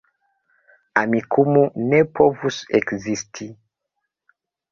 Amikumu ne povus ekzisti